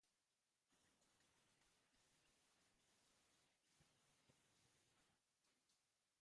Aholkuak eman eta lehiakideak gidatzea ere izango da euren zeregina.